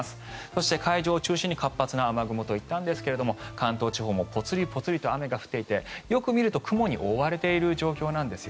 そして、海上を中心に活発な雨雲といったんですが関東地方もぽつりぽつりと雨が降っていてよく見ると雲に覆われている状況なんです。